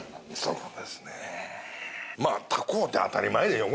そこですね。